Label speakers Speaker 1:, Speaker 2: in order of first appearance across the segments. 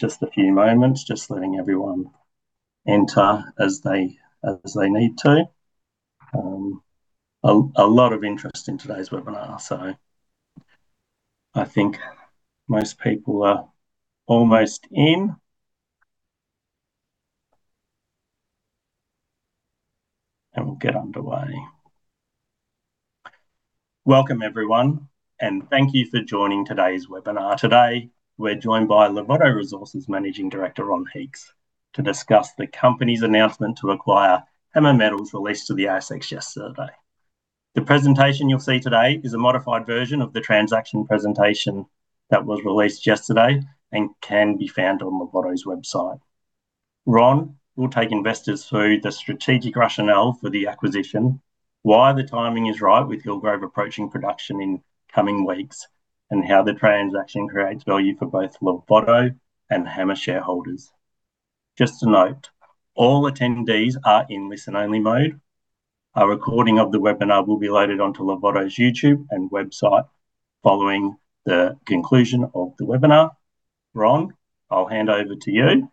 Speaker 1: In just a few moments. Just letting everyone enter as they need to. A lot of interest in today's webinar. I think most people are almost in, and we'll get underway. Welcome, everyone, and thank you for joining today's webinar. Today, we're joined by Larvotto Resources Managing Director, Ron Heeks, to discuss the company's announcement to acquire Hammer Metals released to the ASX yesterday. The presentation you'll see today is a modified version of the transaction presentation that was released yesterday and can be found on Larvotto's website. Ron will take investors through the strategic rationale for the acquisition, why the timing is right with Hillgrove approaching production in coming weeks, and how the transaction creates value for both Larvotto and Hammer shareholders. Just to note, all attendees are in listen-only mode. A recording of the webinar will be loaded onto Larvotto's YouTube and website following the conclusion of the webinar. Ron, I'll hand over to you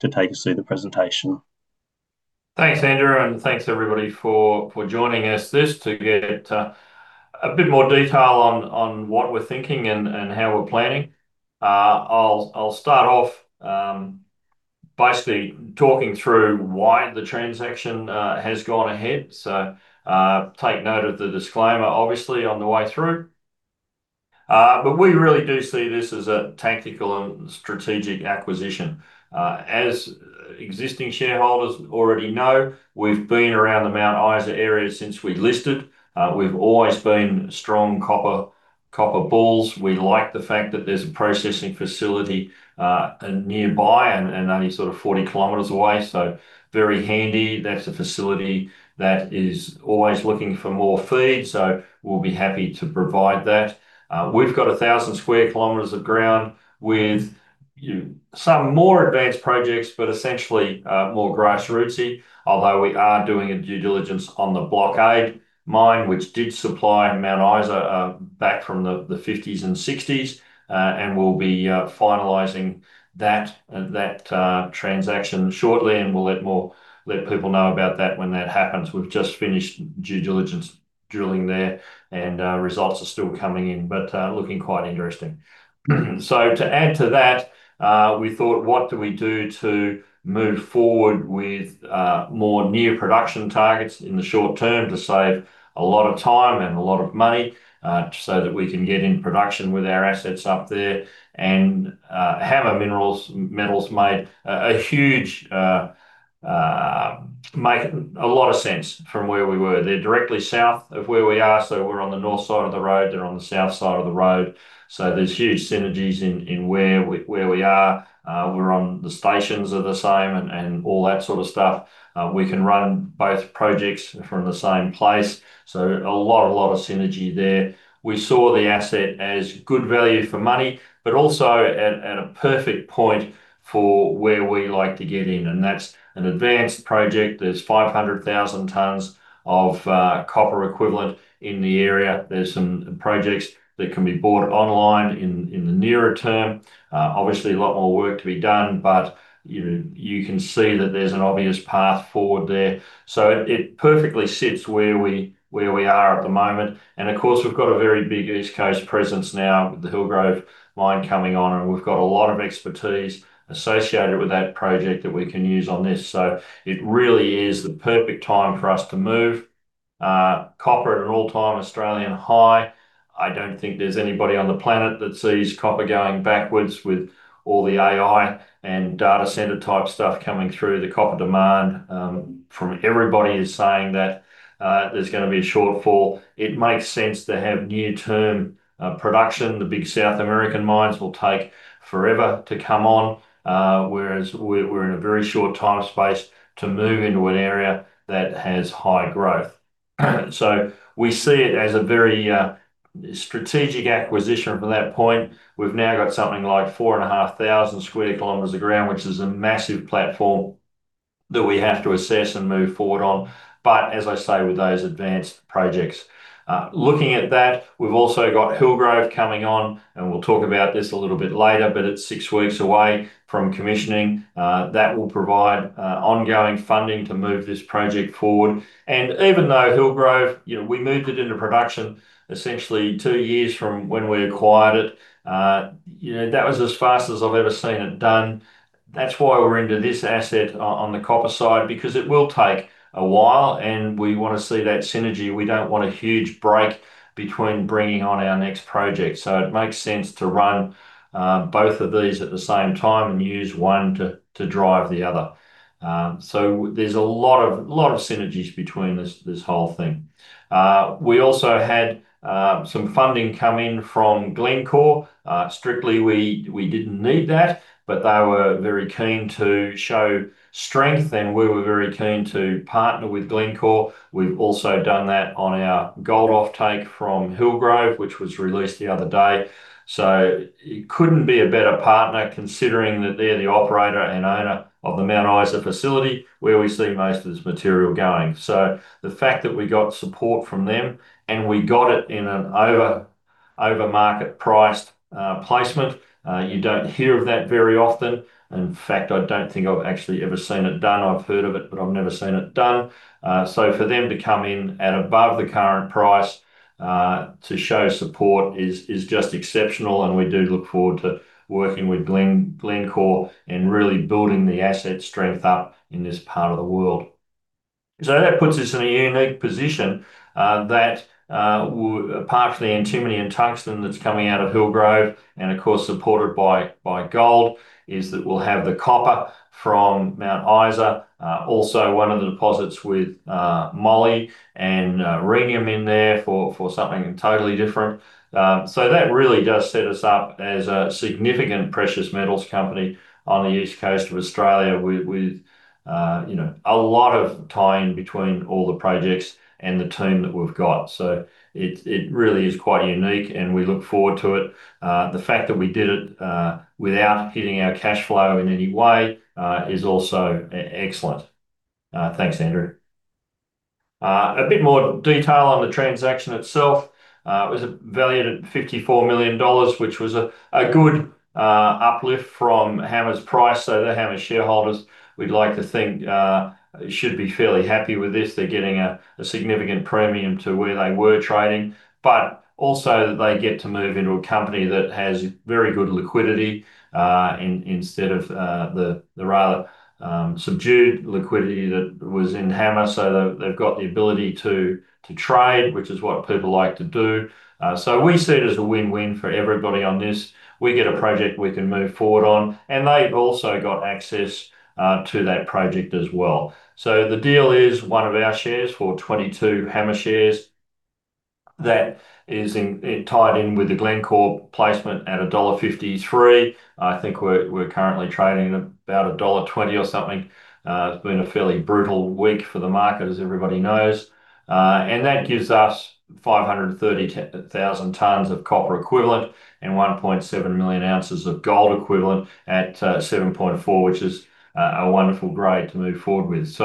Speaker 1: to take us through the presentation.
Speaker 2: Thanks, Andrew, and thanks everybody for joining us to get a bit more detail on what we're thinking and how we're planning. I'll start off basically talking through why the transaction has gone ahead. Take note of the disclaimer, obviously, on the way through. We really do see this as a tactical and strategic acquisition. As existing shareholders already know, we've been around the Mount Isa area since we listed. We've always been strong copper bulls. We like the fact that there's a processing facility nearby and only sort of 40 km away, very handy. That's a facility that is always looking for more feed. We'll be happy to provide that. We've got 1,000 sq km of ground with some more advanced projects, but essentially, more grassrootsy. Although we are doing a due diligence on the Blockade mine, which did supply Mount Isa back from the 1950s and 1960s. We'll be finalizing that transaction shortly, and we'll let people know about that when that happens. We've just finished due diligence drilling there, and results are still coming in, but looking quite interesting. To add to that, we thought, what do we do to move forward with more near production targets in the short term to save a lot of time and a lot of money, so that we can get in production with our assets up there? Hammer Metals make a lot of sense from where we were. They're directly south of where we are. We're on the north side of the road, they're on the south side of the road. There's huge synergies in where we are. We're on, the stations are the same and all that sort of stuff. We can run both projects from the same place. A lot of synergy there. We saw the asset as good value for money, but also at a perfect point for where we like to get in. That's an advanced project. There's 500,000 tons of copper equivalent in the area. There's some projects that can be bought online in the nearer term. Obviously, a lot more work to be done, but you can see that there's an obvious path forward there. It perfectly sits where we are at the moment. Of course, we've got a very big East Coast presence now with the Hillgrove mine coming on, and we've got a lot of expertise associated with that project that we can use on this. It really is the perfect time for us to move. Copper at an all-time Australian high. I don't think there's anybody on the planet that sees copper going backwards with all the AI and data center type stuff coming through. The copper demand from everybody is saying that there's going to be a shortfall. It makes sense to have near-term production. The big South American mines will take forever to come on, whereas we're in a very short time space to move into an area that has high growth. We see it as a very strategic acquisition from that point. We've now got something like 4,500 sq km of ground, which is a massive platform that we have to assess and move forward on. As I say, with those advanced projects. Looking at that, we've also got Hillgrove coming on, and we'll talk about this a little bit later, but it's six weeks away from commissioning. That will provide ongoing funding to move this project forward. Even though Hillgrove, we moved it into production essentially two years from when we acquired it. That was as fast as I've ever seen it done. That's why we're into this asset on the copper side, because it will take a while, and we want to see that synergy. We don't want a huge break between bringing on our next project. It makes sense to run both of these at the same time and use one to drive the other. There's a lot of synergies between this whole thing. We also had some funding come in from Glencore. Strictly, we didn't need that, but they were very keen to show strength, and we were very keen to partner with Glencore. We've also done that on our gold offtake from Hillgrove, which was released the other day. It couldn't be a better partner considering that they're the operator and owner of the Mount Isa facility, where we see most of this material going. The fact that we got support from them and we got it in an over market priced placement. You don't hear of that very often. In fact, I don't think I've actually ever seen it done. I've heard of it, but I've never seen it done. For them to come in at above the current price, to show support is just exceptional. We do look forward to working with Glencore and really building the asset strength up in this part of the world. That puts us in a unique position that apart from the antimony and tungsten that's coming out of Hillgrove and of course supported by gold, is that we'll have the copper from Mount Isa. Also, one of the deposits with moly and rhenium in there for something totally different. That really does set us up as a significant precious metals company on the east coast of Australia with a lot of tie-in between all the projects and the team that we've got. It really is quite unique and we look forward to it. The fact that we did it, without hitting our cash flow in any way, is also excellent. Thanks, Andrew. A bit more detail on the transaction itself. It was valued at 54 million dollars, which was a good uplift from Hammer's price. The Hammer shareholders, we'd like to think, should be fairly happy with this. They're getting a significant premium to where they were trading, but also that they get to move into a company that has very good liquidity, instead of the rather subdued liquidity that was in Hammer. They've got the ability to trade, which is what people like to do. We see it as a win-win for everybody on this. We get a project we can move forward on, they've also got access to that project as well. The deal is one of our shares for 22 Hammer shares that is tied in with the Glencore placement at dollar 1.53. I think we're currently trading at about dollar 1.20 or something. It's been a fairly brutal week for the market, as everybody knows. That gives us 530,000 tonnes of copper equivalent and 1.7 million ounces of gold equivalent at 7.4, which is a wonderful grade to move forward with.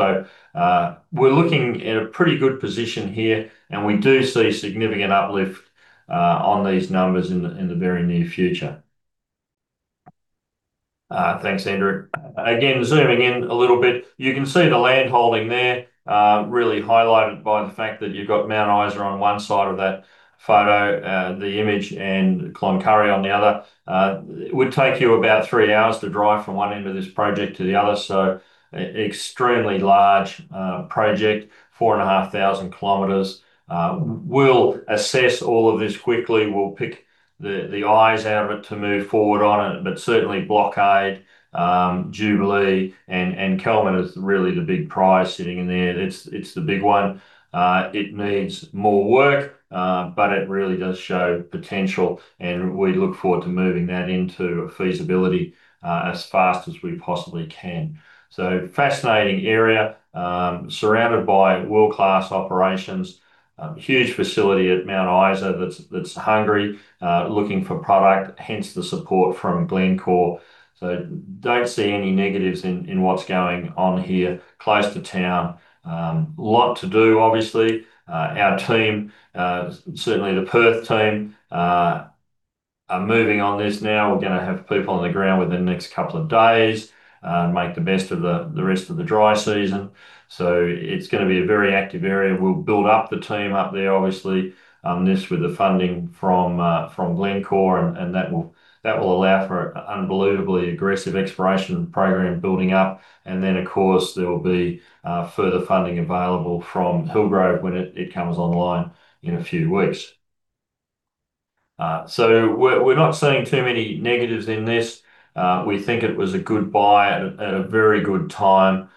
Speaker 2: We're looking in a pretty good position here and we do see significant uplift on these numbers in the very near future. Thanks, Andrew. Again, zooming in a little bit, you can see the land holding there, really highlighted by the fact that you've got Mount Isa on one side of that photo, the image and Cloncurry on the other. It would take you about three hours to drive from one end of this project to the other, extremely large project, 4,500 km. We'll assess all of this quickly. We'll pick the eyes out of it to move forward on it. Certainly Blockade, Jubilee and Kalman is really the big prize sitting in there. It's the big one. It needs more work, but it really does show potential and we look forward to moving that into feasibility, as fast as we possibly can. Fascinating area, surrounded by world-class operations. Huge facility at Mount Isa that's hungry, looking for product, hence the support from Glencore. Don't see any negatives in what's going on here, close to town. Lot to do, obviously. Our team, certainly the Perth team, are moving on this now. We're going to have people on the ground within the next couple of days, make the best of the rest of the dry season. It's going to be a very active area. We'll build up the team up there obviously, this with the funding from Glencore, that will allow for an unbelievably aggressive exploration program building up. Then of course there will be further funding available from Hillgrove when it comes online in a few weeks. We're not seeing too many negatives in this. We think it was a good buy at a very good time.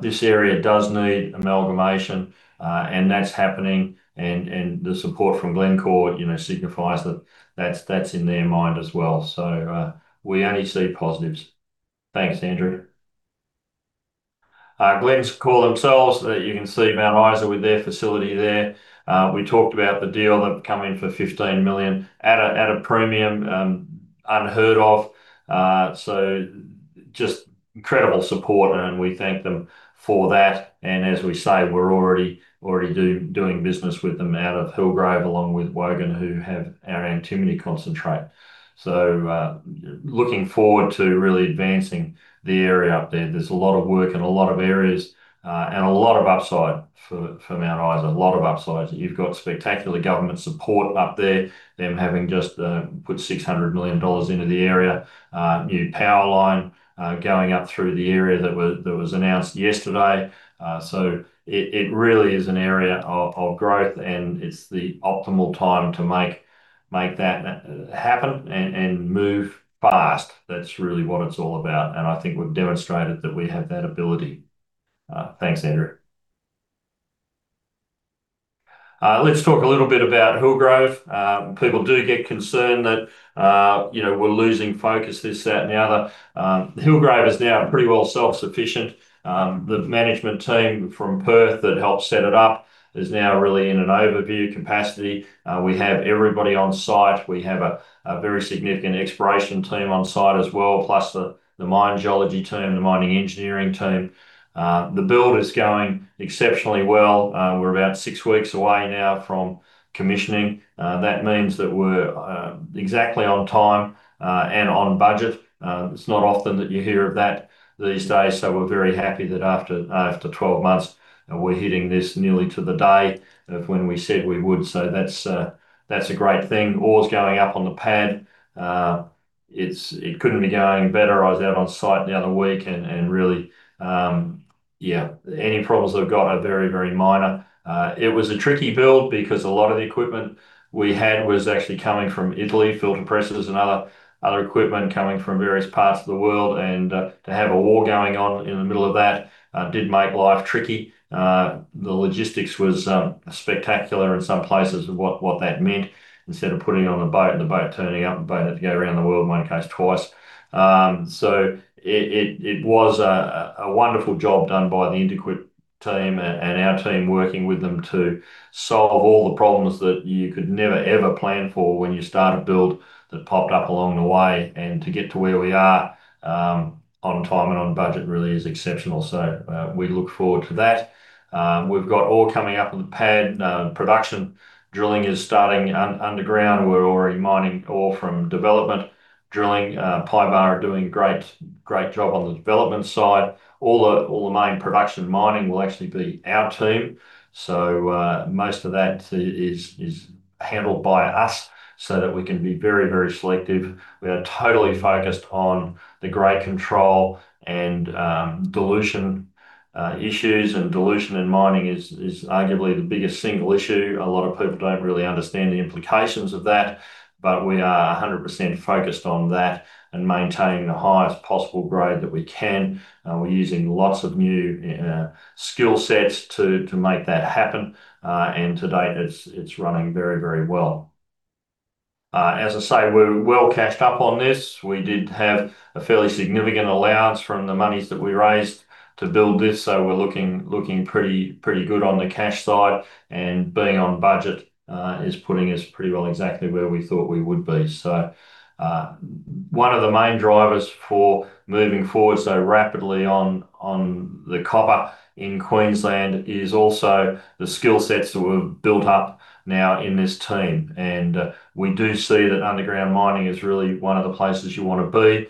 Speaker 2: This area does need amalgamation, and that's happening. The support from Glencore signifies that that's in their mind as well. We only see positives. Thanks, Andrew. Glencore themselves, you can see Mount Isa with their facility there. We talked about the deal. They've come in for 15 million at a premium, unheard of. Just incredible support and we thank them for that. As we say, we're already doing business with them out of Hillgrove, along with Wogen, who have our antimony concentrate. Looking forward to really advancing the area up there. There's a lot of work and a lot of areas, and a lot of upside for Mount Isa, a lot of upside. You've got spectacular government support up there, them having just put 600 million dollars into the area. New power line, going up through the area that was announced yesterday. It really is an area of growth and it's the optimal time to make that happen and move fast. That's really what it's all about, and I think we've demonstrated that we have that ability. Thanks, Andrew. Let's talk a little bit about Hillgrove. People do get concerned that we're losing focus, this, that, and the other. Hillgrove is now pretty well self-sufficient. The management team from Perth that helped set it up is now really in an overview capacity. We have everybody on site. We have a very significant exploration team on site as well, plus the mine geology team, the mining engineering team. The build is going exceptionally well. We're about six weeks away now from commissioning. That means that we're exactly on time and on budget. It's not often that you hear of that these days, we're very happy that after 12 months, we're hitting this nearly to the day of when we said we would. That's a great thing. Ore's going up on the pad. It couldn't be going better. I was out on site the other week and really, any problems that I've got are very, very minor. It was a tricky build because a lot of the equipment we had was actually coming from Italy, filter presses and other equipment coming from various parts of the world. To have a war going on in the middle of that did make life tricky. The logistics was spectacular in some places of what that meant. Instead of putting it on the boat and the boat turning up, the boat had to go around the world, in one case twice. It was a wonderful job done by the IntecIT team and our team working with them to solve all the problems that you could never, ever plan for when you start a build that popped up along the way. To get to where we are, on time and on budget, really is exceptional. We look forward to that. We've got ore coming up on the pad. Production drilling is starting underground. We're already mining ore from development. Drilling, PYBAR are doing a great job on the development side. All the main production mining will actually be our team. Most of that is handled by us so that we can be very, very selective. We are totally focused on the grade control and dilution issues, and dilution in mining is arguably the biggest single issue. A lot of people don't really understand the implications of that, but we are 100% focused on that and maintaining the highest possible grade that we can. We're using lots of new skill sets to make that happen. To date, it's running very, very well. As I say, we're well cashed up on this. We did have a fairly significant allowance from the monies that we raised to build this, we're looking pretty good on the cash side. Being on budget is putting us pretty well exactly where we thought we would be. One of the main drivers for moving forward so rapidly on the copper in Queensland is also the skill sets that we've built up now in this team. We do see that underground mining is really one of the places you want to be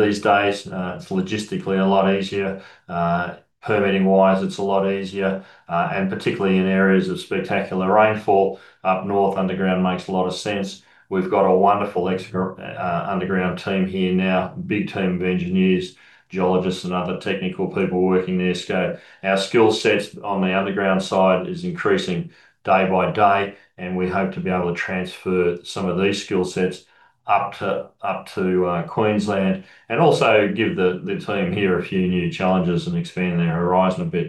Speaker 2: these days. It's logistically a lot easier. Permitting-wise, it's a lot easier. Particularly in areas of spectacular rainfall up north, underground makes a lot of sense. We've got a wonderful underground team here now. A big team of engineers, geologists, and other technical people working there. Our skill sets on the underground side is increasing day by day, and we hope to be able to transfer some of these skill sets up to Queensland and also give the team here a few new challenges and expand their horizon a bit.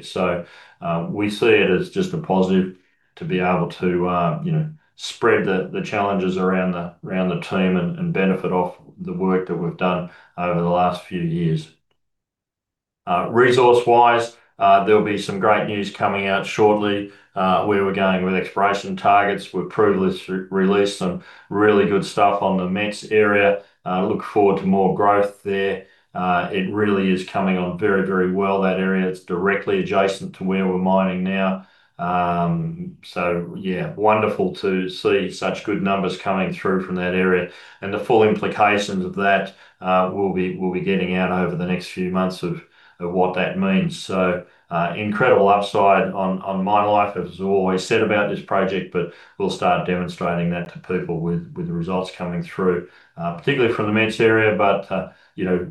Speaker 2: We see it as just a positive to be able to spread the challenges around the team and benefit off the work that we've done over the last few years. Resource-wise, there'll be some great news coming out shortly. Where we're going with exploration targets. We've previously released some really good stuff on the Metz area. Look forward to more growth there. It really is coming on very, very well. That area, it's directly adjacent to where we're mining now. Wonderful to see such good numbers coming through from that area, and the full implications of that, we'll be getting out over the next few months of what that means. Incredible upside on mine life, as I've always said about this project, but we'll start demonstrating that to people with the results coming through, particularly from the Metz area.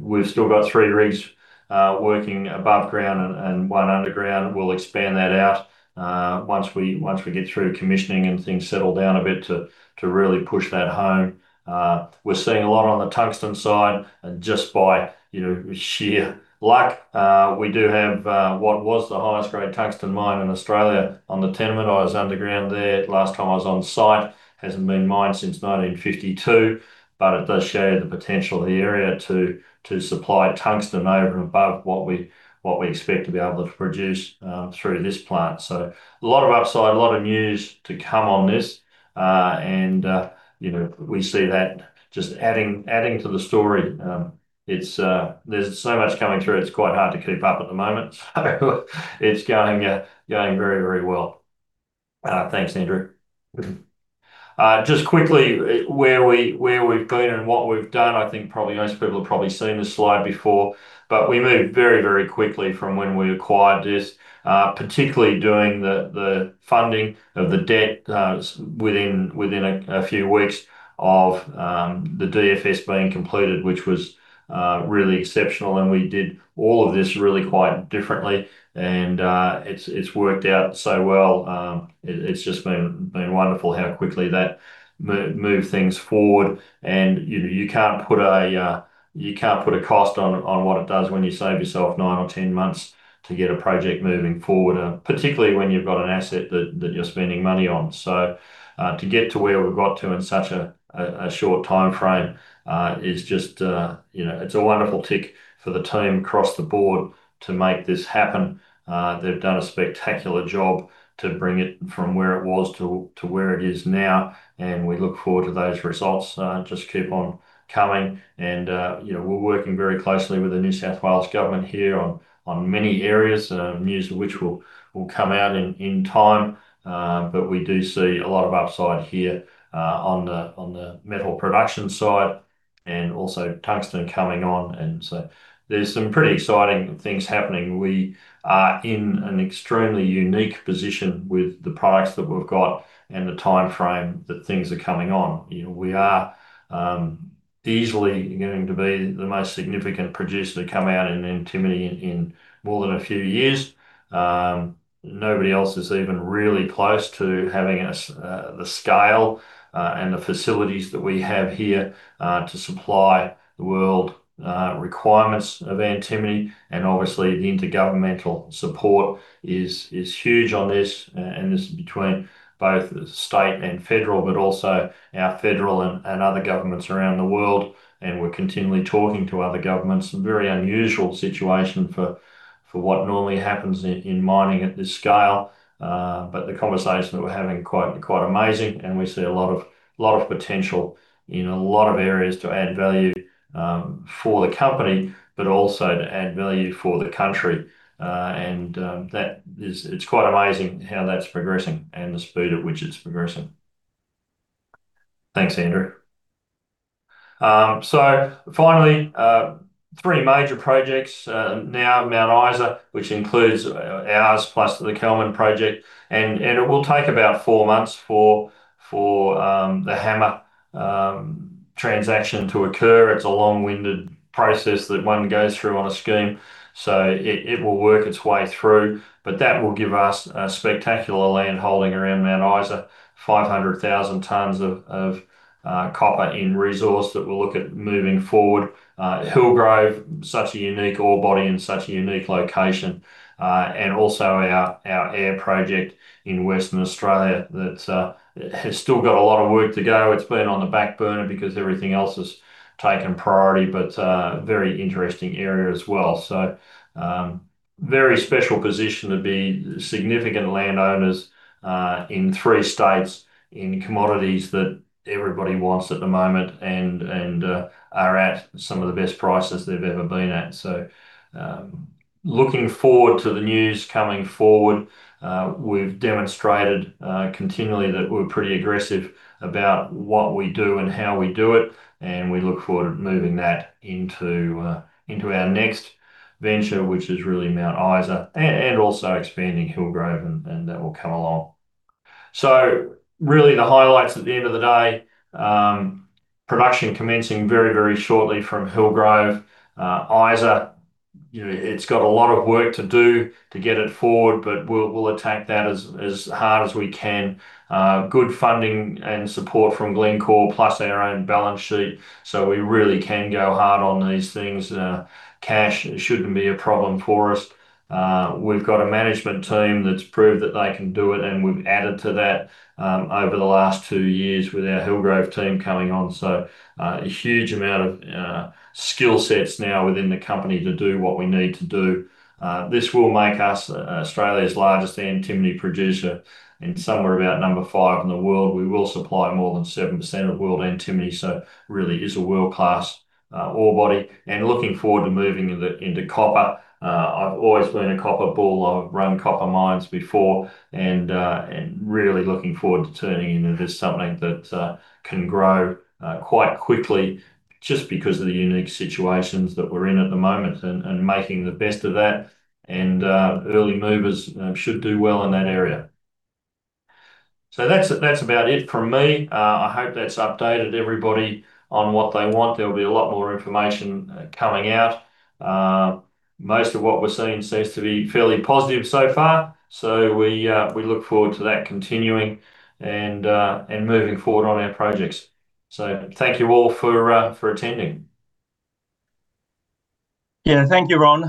Speaker 2: We've still got three rigs working above ground and one underground. We'll expand that out once we get through commissioning and things settle down a bit to really push that home. We're seeing a lot on the tungsten side and just by sheer luck, we do have what was the highest grade tungsten mine in Australia on the tenement. I was underground there last time I was on site. Hasn't been mined since 1952, but it does show the potential of the area to supply tungsten over and above what we expect to be able to produce through this plant. A lot of upside, a lot of news to come on this, and we see that just adding to the story. There's so much coming through, it's quite hard to keep up at the moment. It's going very, very well. Thanks, Andrew. Just quickly, where we've been and what we've done, I think probably most people have probably seen this slide before. We moved very, very quickly from when we acquired this, particularly doing the funding of the debt within a few weeks of the DFS being completed, which was really exceptional, and we did all of this really quite differently. It's worked out so well. It's just been wonderful how quickly that moved things forward and you can't put a cost on what it does when you save yourself nine or 10 months to get a project moving forward, particularly when you've got an asset that you're spending money on. To get to where we've got to in such a short timeframe is just a wonderful tick for the team across the board to make this happen. They've done a spectacular job to bring it from where it was to where it is now, and we look forward to those results. Just keep on coming. We're working very closely with the New South Wales government here on many areas, news of which will come out in time. We do see a lot of upside here on the metal production side and also tungsten coming on. There's some pretty exciting things happening. We are in an extremely unique position with the products that we've got and the timeframe that things are coming on. We are easily going to be the most significant producer to come out in antimony in more than a few years. Nobody else is even really close to having the scale and the facilities that we have here to supply the world requirements of antimony. Obviously the intergovernmental support is huge on this. This is between both state and federal, but also our federal and other governments around the world. We're continually talking to other governments. A very unusual situation for what normally happens in mining at this scale. The conversations we're having, quite amazing, and we see a lot of potential in a lot of areas to add value for the company, but also to add value for the country. It's quite amazing how that's progressing and the speed at which it's progressing. Thanks, Andrew. Finally, three major projects now, Mount Isa, which includes ours plus the Kelman project. It will take about four months for the Hammer transaction to occur. It's a long-winded process that one goes through on a scheme, so it will work its way through. That will give us a spectacular land holding around Mount Isa, 500,000 tons of copper in resource that we'll look at moving forward. Hillgrove, such a unique ore body and such a unique location. Also our Eyre project in Western Australia that has still got a lot of work to go. It's been on the back burner because everything else has taken priority. Very interesting area as well. Very special position to be significant landowners in three states in commodities that everybody wants at the moment and are at some of the best prices they've ever been at. Looking forward to the news coming forward. We've demonstrated continually that we're pretty aggressive about what we do and how we do it, and we look forward to moving that into our next venture, which is really Mount Isa and also expanding Hillgrove, and that will come along. Really the highlights at the end of the day, production commencing very shortly from Hillgrove. Isa, it's got a lot of work to do to get it forward, but we'll attack that as hard as we can. Good funding and support from Glencore plus our own balance sheet, so we really can go hard on these things. Cash shouldn't be a problem for us. We've got a management team that's proved that they can do it, and we've added to that over the last two years with our Hillgrove team coming on. A huge amount of skill sets now within the company to do what we need to do. This will make us Australia's largest antimony producer and somewhere about number five in the world. We will supply more than 7% of world antimony, so it really is a world-class ore body and looking forward to moving into copper. I've always been a copper bull. I've run copper mines before and really looking forward to turning into something that can grow quite quickly just because of the unique situations that we're in at the moment and making the best of that. Early movers should do well in that area. That's about it from me. I hope that's updated everybody on what they want. There'll be a lot more information coming out. Most of what we're seeing seems to be fairly positive so far. We look forward to that continuing and moving forward on our projects. Thank you all for attending.
Speaker 1: Yeah. Thank you, Ron.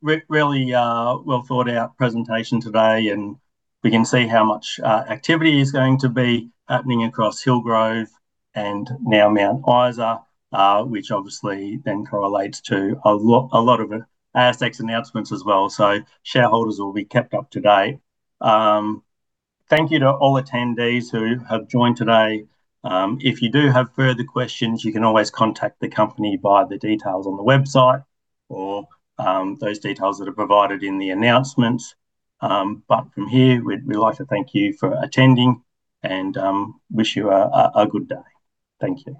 Speaker 1: Really well-thought-out presentation today, and we can see how much activity is going to be happening across Hillgrove and now Mount Isa, which obviously then correlates to a lot of ASX announcements as well. Shareholders will be kept up to date. Thank you to all attendees who have joined today. If you do have further questions, you can always contact the company via the details on the website or those details that are provided in the announcements. From here, we'd like to thank you for attending and wish you a good day. Thank you